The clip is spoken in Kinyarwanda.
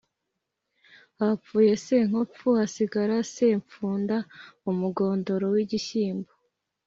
Hapfuye Senkopfu hasigara Semfunda-Umugondoro w'igishyimbo.